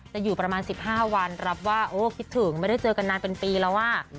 อยู่ประมาณ๑๕วันรับว่าโอ้คิดถึงไม่ได้เจอกันนานเป็นปีแล้วอ่ะ